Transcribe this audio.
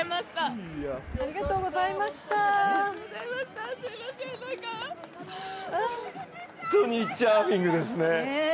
本当にチャーミングですね。